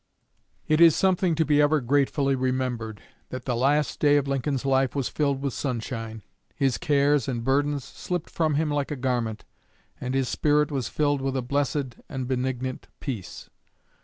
It is something to be ever gratefully remembered, that the last day of Lincoln's life was filled with sunshine. His cares and burdens slipped from him like a garment, and his spirit was filled with a blessed and benignant peace.